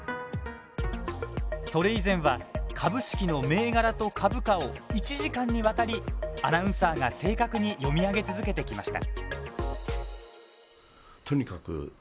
それ以前は株式の銘柄と株価を１時間にわたりアナウンサーが正確に読み上げ続けてきました。